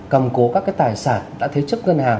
cầm cố các cái tài sản đã thế chấp ngân hàng